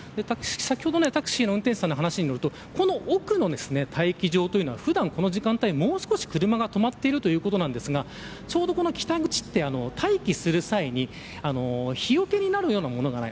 先ほど、タクシーの運転手の話によるとこの奥の待機場というのは普段この時間帯もう少し車が止まっているということですがちょうど、この北口は待機する際に日よけになるようなものがない。